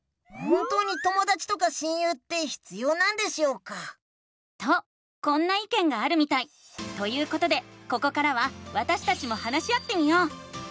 本当にともだちとか親友って必要なんでしょうか？とこんないけんがあるみたい！ということでここからはわたしたちも話し合ってみよう！